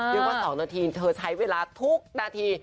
นึกว่า๒นาทีเธอใช้เวลาทุกนาที